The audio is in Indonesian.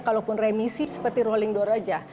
walaupun remisi seperti rolling door saja